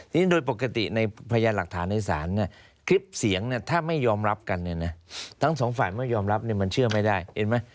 ทีนี้โดยปกติในพยานหลักฐานในศาลเนี่ยคลิปเสียงเนี่ยถ้าไม่ยอมรับกันเนี่ยนะทั้งสองฝ่ายไม่ยอมรับเนี่ยมันเชื่อไม่ได้เห็นไหม